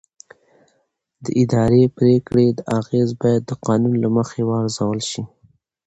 د اداري پرېکړې اغېز باید د قانون له مخې وارزول شي.